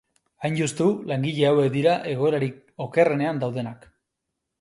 Hain justu langile hauek dira egoerarik okerrenean daudenak.